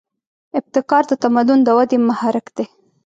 ابتکار د تمدن د ودې محرک دی.